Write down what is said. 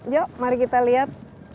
yuk mari kita lihat